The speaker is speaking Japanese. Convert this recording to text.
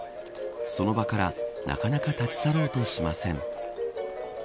その場からなかなか立ち去ろうとしません。